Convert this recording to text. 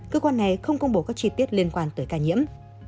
cơ quan này không công bố các chi tiết liên quan tới ca nhiễm